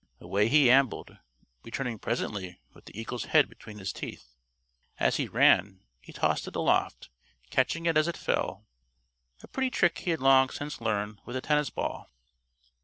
Away he ambled, returning presently with the eagle's head between his teeth. As he ran, he tossed it aloft, catching it as it fell a pretty trick he had long since learned with a tennis ball.